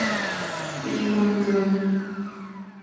米粉羹